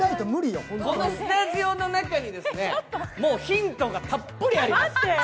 このスタジオの中にもうヒントがたっぷりあります。